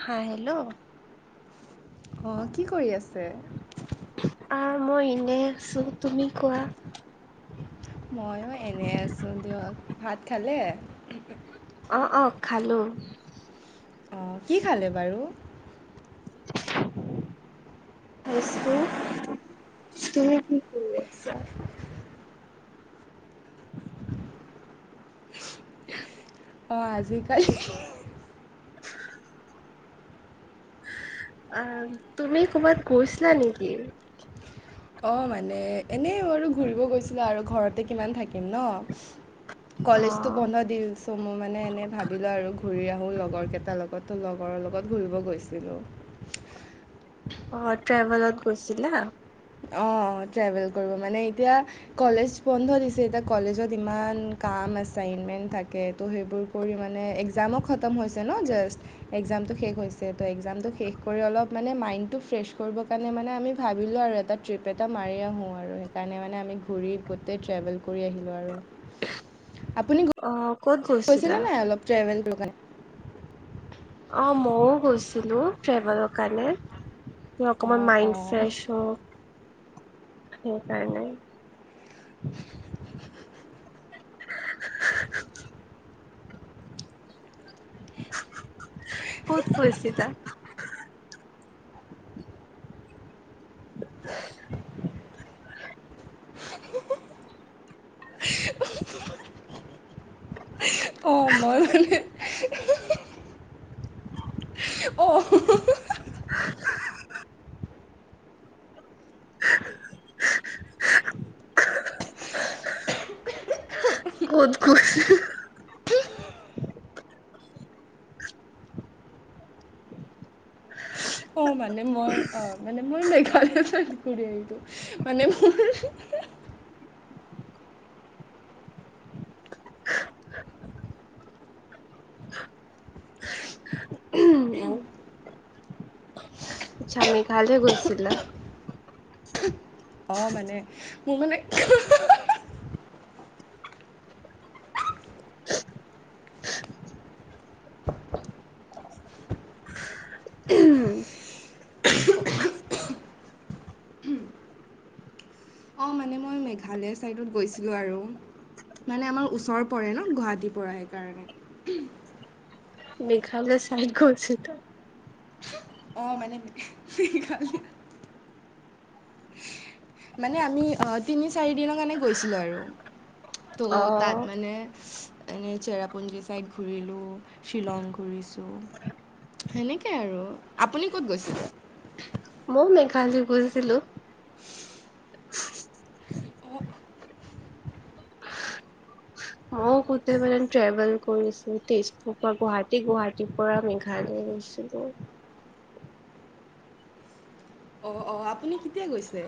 হা হেল্ল' অ' কি কৰি আছে? অ' মই এনেই আছোঁ। তুমি কোৱা? মইয়ো এনে আছোঁ দিয়ক। ভাত খালে? অ' অ' খালোঁ। অ' কি খালে বাৰু? [inaudible] [unintelligible] আছোঁ। তুমি কি কৰি আছা? [inaudible] [inaudible] অ' আজিকালি অ' তুমি ক'ৰবাত গৈছিলা নেকি? অ' মানে এনেই আৰু ঘূৰিব গৈছিলোঁ আৰু ঘৰতে কিমান থাকিম ন। অ কলেজতো বন্ধ দি ত মই মানে এনেই ভাবিলোঁ আৰু ঘূৰি আহোঁ লগৰ কেইটাৰ লগত, ত লগৰৰ লগত ঘূৰিব গৈছিলোঁ। অ' ট্ৰেভেলত গৈছিলা? অ' ট্ৰেভেল কৰিব মানে এতিয়া কলেজ বন্ধ দিছে। এতিয়া কলেজত ইমান কাম আচাইনমেণ্ট থাকে ত' সেইবোৰ কৰি মানে একজামো খতম হৈছে ন জাষ্ট। একজামটো শেষ হৈছে ত' একজামটো শেষ কৰি অলপ মানে মাইণ্ডটো ফ্ৰেছ কৰিবৰ কাৰণে মানে আমি ভাবিলোঁ আৰু এটা ট্ৰিপ এটা মাৰি আহোঁ আৰু সেইকাৰণে মানে আমি ঘূৰি গোটেই ট্ৰেভেল কৰি আহিলোঁ আৰু। আপুনি অ' ক'ত গ'ল? গৈছিলা নাই অলপ ট্ৰেভেলৰ কৰিব কাৰণে। অ' মইয়ো গৈছিলোঁ, ট্ৰেভেলৰ কাৰণে। সি অকমান অঁ মাইণ্ড ফ্ৰেছ অঁ হওঁক সেইকাৰণে। [inaudible] ক'ত গৈছিলা? [unintelligible] [unintelligible] অ' মই মানে অ [unintelligible] [unintelligible] ক'ত গৈছিলি? [unintelligible] অঁ মানে মই অ মানে মই মেঘালয় ঘূৰি আহোঁতে মানে মোৰ [unintelligible] [inaudible] আচ্ছা, মেঘালৈ গৈছিলা অ মানে অঁ মানে মই মেঘালয় চাইডত গৈছিলো আৰু। মানে আমাৰ ওচৰ পৰে ন গুৱাহাটীৰ পৰা সেইকাৰণে। দেখালেবে চাই কৰিছেটো। [inaudible] মানে আমি অঁ তিনি চাৰি দিনৰ কাৰণে গৈছিলোঁ আৰু। ত, অ তাত মানে এনেই চেৰাপুঞ্জী চাইদ ঘূৰিলোঁ শ্বিলং ঘূৰিছোঁ। সেনেকে আৰু আপুনি ক'ত গৈছে? মই মেঘালয় গৈছিলো। অঁ মই গোটেই মানে ট্ৰেভেল কৰিছো তেজপুৰ পৰা গুৱাহাটী গুৱাহাটীৰ পৰা মেঘালয় গৈছিলোঁ। অ অ, আপুনি কেতিয়া গৈছে?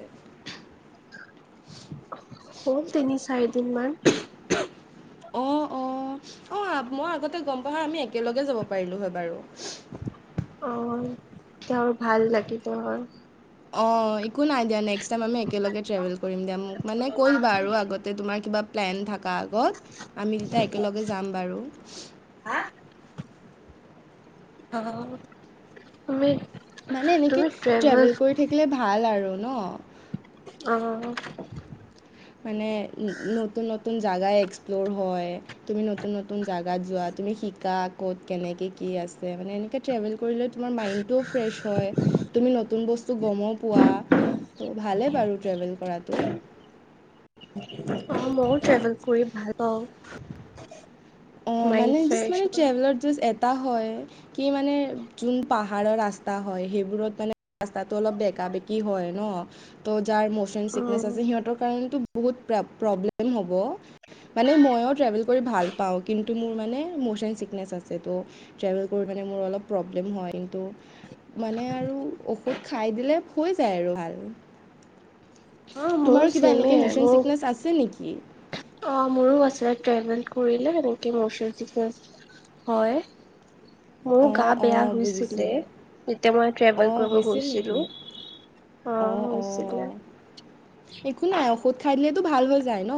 হ'ল তিনি চাৰিদিন মান। অঁ অঁ অঁ মই আগতে গম পাওঁ হয় আমি একেলগে যাব পাৰিলোঁ হয় বাৰু। অঁ তেওঁ আৰু ভাল লাগিল হয়। অঁ, একো নাই দিয়া, নেক্স টাইমি একেলগে ট্ৰেভেল কৰিম। কৰিম দিয়া মোক মানে কৈ দিবা আৰু আগতে তোমাৰ কিবা প্লেন থাকা আগত, আমি তেতিয়া একেলগে যাম বাৰু। হা অ। আমি মানে এনেকে ট্ৰেভেল কৰি থাকিলে ভাল আৰু ন। অঁ। মানে নতুন নতুন জাগা এক্সপ্ল'ৰ হয়। তুমি নতুন নতুন জাগাত যোৱা, তুমি শিকা ক'ত কেনেকে কি আছে মানে এনেকে ট্ৰেভেল কৰিলে। তোমাৰ মাইণ্ডটোও ফ্ৰেছ হয়, তুমি নতুন বস্তু গমো পোৱা। ভালে বাৰু ট্ৰেভেল কৰাটো। অঁ, মইও ট্ৰেভেল কৰি ভাল পাওঁ। অঁ, মাইণ্ড মানে জাষ্ট ফ্ৰেছ কিছুমানে হয়। ট্ৰেভেলাৰ জাষ্ট এটা হয়, কি মানে যোন পাহ পাহাৰৰ ৰাস্তা হয় সেইবোৰত মানে ৰাস্তাটো অলপ বেকা বেকী হয় ন। ত, যাৰ ম'চন চিকনেচ উম, সিহঁতৰ কাৰণেটো বহু প্ৰব্লেম হ'ব, মানে মইও ট্ৰেভেল কৰি ভাল পাওঁ। কিন্তু মোৰ মানে ম'চন চিকনেছ আছে তো ট্ৰেভেল কৰি মানে মোৰ অলপ প্ৰব্লেম হয়। কিন্ত মানে আৰু ঔষধ খাই দিলে হৈ যায় আৰু ভাল। অ' মোৰো তোমাৰো কিবা চেমে এনেকে মৌচন চিকনেছ আছে নেকি? অঁ, মোৰো আছে ট্ৰেভেল কৰিলে তেনেকে মৌচন ছিকনেছ হয়। মোৰ গা অঁ বেয়া অঁ বুজিছোঁ হৈছিলে, দে যেতিয়া মই ট্ৰেভেল অঁ কৰিব হৈছিল গৈছিলো। নেকি অ' অ' [unintelligible] একো নাই ঔষধ খাই দিলেতো ভাল হৈ যায় ন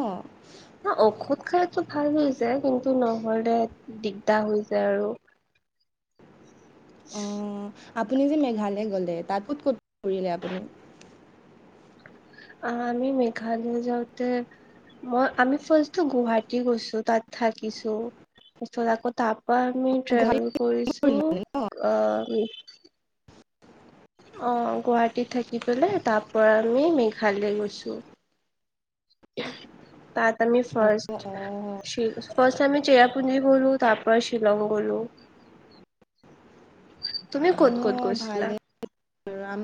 ন ঔষধ খালেতো ভাল হৈছে যায় কিন্তু নহলে দিগদাৰ হৈ যায় আৰু উম আপুনি যে মেঘালয় গ'লে তাত ক'ত ক'ত ফুৰিলে আপুনি। আ আমি মেঘালয় যাওঁতে মই আমি ফাৰ্ষ্ট তো গুৱাহাটী গৈছো তাত থাকিছো তাছত আকৌ তাত পৰা আমি ট্ৰেভেল গুৱাহাটীত কৰিছোঁ ফুৰিলে মানে ন আ উম অ গুৱাহাটীত থাকি পালাই তাপৰা আমি মেঘালয় গৈছো। [unintelligible] তাত আমি অ' ফাৰ্ষ্ট অ' শি ফাৰ্ষ্ট আমি চেৰাপুঞ্জি গ'লো তাৰপৰা শ্বিলং গ'লো। তুমি ক'ত ক'ত অ', গৈছিলা? ভালেই আৰু আম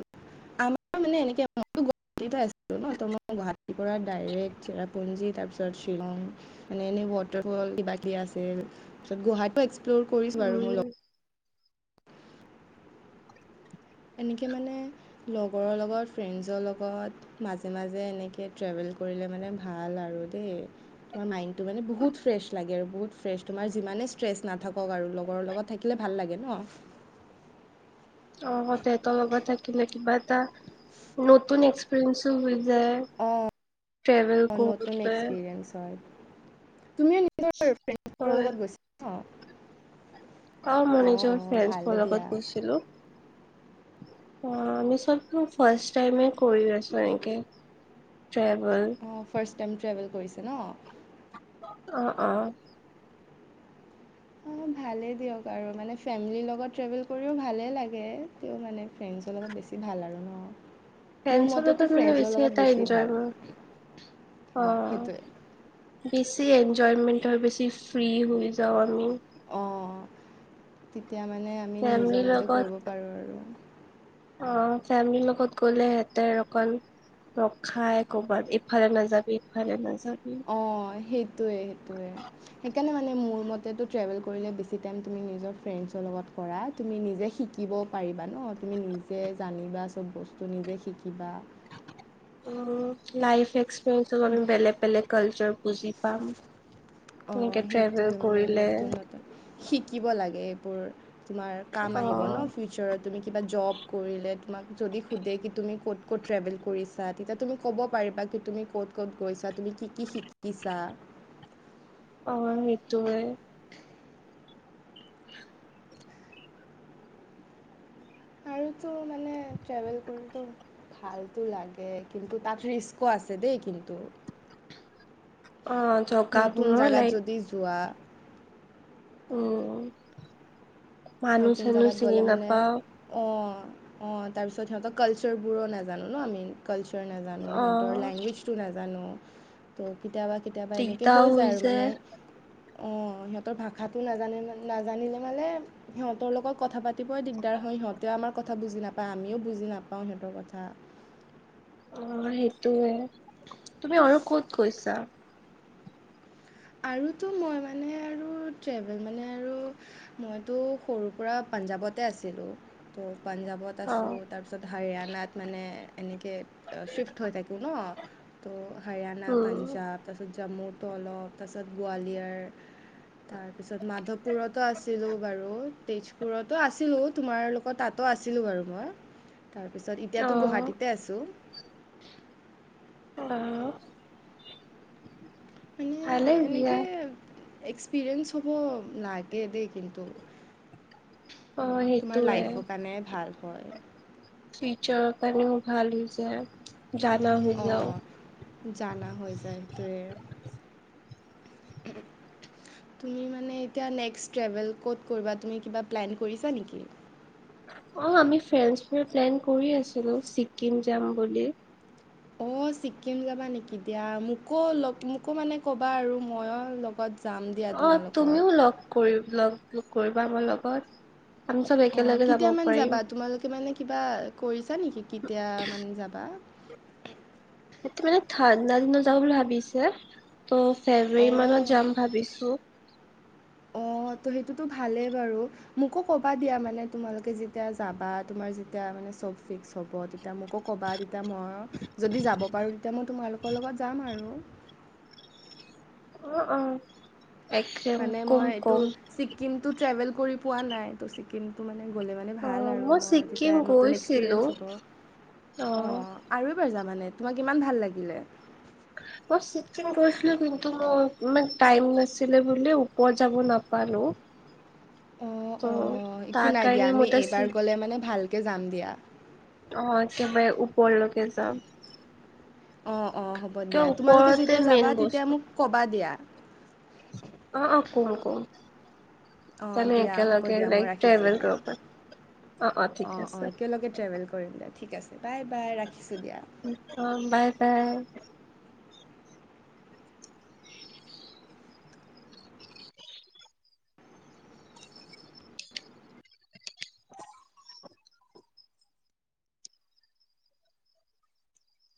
আমাৰ মানে এনেকে মই গুৱাহাটীতে আছিলো ন ত মই গুৱাহাটীৰ পৰা ডাইৰেক্ট চেৰাপুঞ্জী তাৰপিছত শ্বিলং মানে এনেই ৱাটাৰ ফল কিবা কিবি আছিল। তাছত গাহাটো এক্সপ্লৰ কৰিছো আৰু মো উম ল এনেকে মানে লগৰৰ লগত ফ্ৰেণ্ডছৰ লগত মাজে মাজে এনেকে ট্ৰেভেল কৰিলে মানে ভাল আৰু দেই। তোমাৰ মাইণ্ডটো মানে বহুত ফ্ৰেছ লাগে আৰু বহুত ফ্ৰেছ তোমাৰ যিমানে ষ্ট্ৰেছ নাথাকক আৰু লগৰ লগত থাকিলে ভাল লাগে ন। অ', তেহতৰ লগত থাকিলে কিবা এটা নতুন এক্সপিৰিয়েঞ্চো হৈ যায়। অঁ ট্ৰেভেল কৰোতে। এনচাৰ্ড তুমিও নিজৰ ফ্ৰেঞ্চৰ হয় লগত গৈছা ন অ মই অঁ নিজৰ অঁ ফ্ৰেঞ্চৰ ভালেই দিয়া লগত গৈছিলো। অ আমি চবটো ফাৰ্ষ্ট টাইমে কৰি আছো এনেকে ট্ৰেভেল। অঁ'ফাৰ্ষ্ট টাইম ট্ৰেভেল কৰিছে ন। অ', অ'। অঁ' ভালেই দিয়ক আৰু মানে ফেমিলিৰ লগত ট্ৰেভেল কৰিও ভালেই লাগে। তেউ মানে ফ্ৰেণ্ডছৰ লগত বেছি ভাল আৰু ন। মোৰ ফ্ৰেণ্ডছৰ মতেতো লগত মানে ফ্ৰেণ্ডছৰ বেছি লগত এটা এনজয় ভাল কৰ অঁ সেইটোৱে অ'। বেছি এনজয়মেট হয় বেছি ফ্ৰী হৈ যাওঁ আমি। অঁ'তেতিয়া মানে আমি নিজৰ ফেমিলিৰ মতে লগত কৰিব পাৰো আৰু। অ ফেমলিৰ লগত গ'লে হেঁতে অকণ ৰখাই কৰবাত এফালে নাজাবি ইফালে নাজাবি। অঁ', সেইটোৱে সেইটোৱে। সেইকাৰণে মানে মোৰ মতেটো ট্ৰেভেল কৰিলে বেছি টাইম তুমি নিজৰ ফ্ৰেণ্ডছৰ লগত কৰা। তুমি নিজে শিকিব পাৰিবা ন তুমি নিজে জানিবা চব বস্তু নিজে শিকিবা। অ লাইফ এক্সপেৰিয়েঞ্চত আমি বেলেগ বেলেগ কালচাৰ বুজি পাম। অঁ এনেকে সেইটোৱে ট্ৰেভেল মানে কৰিলে। নতুন নতুন শিকিব লাগে এইবোৰ তোমাৰ কাম অ আহিব ন ফিউচ চাৰ তুমি কিবা জব কৰিলে তোমাক যদি সোধে কি তুমি ক'ত ক'ত ট্ৰেভেল কৰি ছা তেতিয়া তুমি ক'ব পাৰিবা কি তুমি ক'ত ক'ত গৈছা তুমি কি কি শিকিছা অহ সেইটোৱে আৰুতো মানে ট্ৰেভেল কৰিটো ভালতো লাগে কিন্তু তাত ৰিস্কো আছে দেই কিন্তু। অহ নতুন জগাবোৰো জেগাত লাইক। যদি যোৱা। উম মানুহ চানুহ চিনি নাপাওঁ। অঁহ অঁহ তাৰপিছত সিহঁতৰ কালচাৰবোৰো নাজানো ন আমি। কালচাৰ নাজানো অ সিহঁতৰ লেংগুৱেজ তো নাজানো। তো' কেতিয়াবা কেতিয়াবা এনেকে হৈ যায় আৰু মানে। অহ সিহঁতৰ ভাষাটো নাজানে নাজানিলে মানে। সিহঁতৰ লগত কথা পাতিবই দিগদাৰ হয় সিহঁতে আমাৰ বুজি নাপায় আমিও বুজি নাপাও সিহঁতৰ কথা। অহ সেইটোয়ে তুমি আৰু কত গৈছা? আৰুতো মই মানে আৰু ট্ৰেভেল মানে আৰু মইতু সৰুৰ পৰা পাঞ্জাৱতে আছিলোঁ তো' পাঞ্জাৱত অ আছোঁ তাৰপিছত হাৰিয়ানাত মানে এনেকে, চ্বিফ্ট হৈ থাকোঁ ন তঝতো' হাৰিয়ানা উম পাঞ্জাৱ তাৰপিছত জম্মুটো অলপ তাৰপাছত গোৱালিয়াৰ তাৰপিছত মাধৱপুৰতো আছিলো বাৰু তেজপুৰতো আছিলো তোমাৰ লগত তাত। তো আছিলোঁ বাৰু মই তাৰপিছত অ এতিয়াতো গুৱাহাটীতে আছোঁ। হেল্লো! মানে ভালে দিয়া এনেকে এক্সপিৰিয়েঞ্চ হ'ব, লাগে দে কিন্তু। অ তোমাৰ সেইটোয়ে লাইফৰ কাৰণে ভাল হয়,। ফিউচাৰৰ কাৰণেও ভাল হৈ যায় জানা হৈ যাওঁ। অঁ জানা হৈ যায় সেইটোৱে। তুমি মানে এতিয়া নেক্সট ট্ৰেভেল ক'ত কৰিবা তুমি কিবা প্লেন কৰিছা নেকি? অহ আমি ফ্ৰেণ্ডচবোৰ প্লেন কৰি আছিলো ছিকিম যাম বুলি। অ', চিক্কিম যাবা নেকি দিয়া মোকো লগ মোকো মানে কবা আৰু মইয়ো লগত যাম দিয়া অ তোমালোকৰ। তুমিও লগ কৰি লগ কৰিবা মোৰ লগত আমি চব একেলগে যাব পাৰিম। সেইটো মানে কিবা কৰিছা নেকি কেতিয়া মানে যাবা? সেইটো মানে ঠাণ্ডা দিনত যাবো বুলি ভাবিছে তো' ফেব্ৰুৱাৰী মানত অঁ যাম ভাবিছো। অঁ সেইটোতো ভালেই বাৰু। মোকো ক'বা দিয়া মানে তোমালোকে যেতিয়া যাবা তোমাৰ যেতিয়া মানে চব ফিক্স হব তেতিয়া মোকো ক'বা তেতিয়া মইয়ো যদি যাব পাৰোঁ তেতিয়া মই তোমালোকৰ লগত যাম আৰু। অহ, অহ, একদম মানে মই কম- এইটো কম। ছিকিমটো ট্ৰেভেল কৰি পোৱা নাই তো ছিকিম কিন্তু মানে গ'লে মানে অ ভাল আৰু মই ছিকিম তেতিয়া নতুন গৈছিলো এক্সপিৰিয়েঞ্চ অ হ'ব অহ, আৰু যাবা মানে তোমাক ইমান ভাল লাগিলে? অহ চিকিম গৈছিলো কিন্ত মই ইমান‌ টাইম নাছিলে বুলি ওপৰত যাব নাপালোঁ। অহ, - অহ, একো তাৰ নাই দিয়া কাৰণে আমি মই এতিয়া চি এইবাৰ গলে মানে ভালকে যাম দিয়া। অহ, একেবাৰে ওপৰলৈকে যাম। অঁহ, অঁহ, হ'ব কিয় দিয়া তোমালোকে ওপৰতে যেতিয়া মেইন যাবা তেতিয়া বস্তু মোক ক'বা দিয়া। অহ, অহ, কম-কম অঁ আমি দিয়া একেলগে লাইক ট্ৰেভেল কৰিব পাম। অঁহ, অঁহ, একেলগে ট্ৰেভেল কৰিম দিয়া ঠিক আছে বাই- বাই ৰাখিছোঁ দিয়া। অহ, বাই- বাই